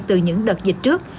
từ những đợt dịch trước